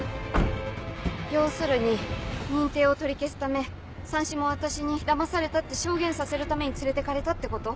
要するに認定を取り消すためさんしも私にだまされたって証言させるために連れてかれたってこと？